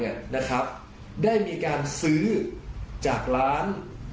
อุปกรณ์กลางกลางได้มีการซื้อจากร้าน